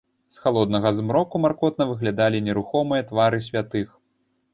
З халоднага змроку маркотна выглядалі нерухомыя твары святых.